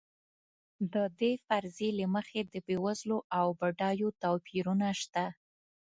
د دې فرضیې له مخې د بېوزلو او بډایو توپیرونه شته.